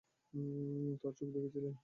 তার চোখ দেখেছিলে?